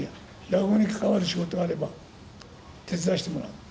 落語に関わる仕事があれば手伝わせてもらう。